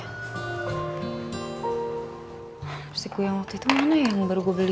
lipstick gue yang waktu itu mana ya yang baru gue beli